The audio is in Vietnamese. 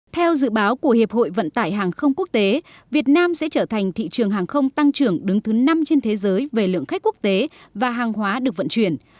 theo dự báo của hiệp hội vận tải hàng không quốc tế việt nam sẽ trở thành thị trường hàng không tăng trưởng đứng thứ năm trên thế giới về lượng khách quốc tế và hàng hóa được vận chuyển